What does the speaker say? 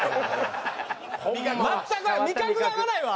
全く味覚が合わないわ！